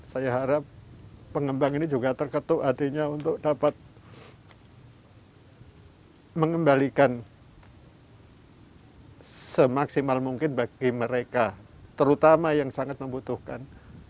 saya harap pengembang ini juga terketuk hatinya untuk dapat mengembalikan semaksimal mungkin bagi mereka terutama yang sangat membutuhkan